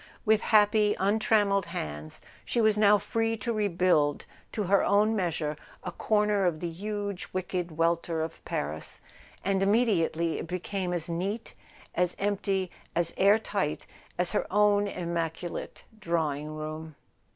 With happy untrammelled hands she was now free to rebuild to her own measure a corner of the huge wicked welter of Paris; and immediately it became as neat, as empty, as air tight as her own immaculate drawing¬ room.